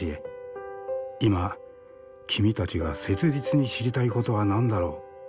今君たちが切実に知りたいことは何だろう？